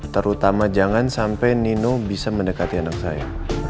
terutama jangan sampai nino bisa mendekati anak saya